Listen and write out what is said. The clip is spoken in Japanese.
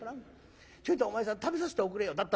『ちょいとお前さん食べさせておくれよ』。